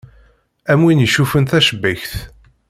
Am win yecuffun tacebbakt.